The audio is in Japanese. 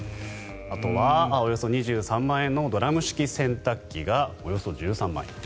あとは、およそ２３万円のドラム式洗濯機がおよそ１３万円。